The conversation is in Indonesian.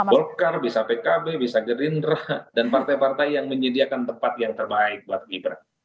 golkar bisa pkb bisa gerindra dan partai partai yang menyediakan tempat yang terbaik buat gibran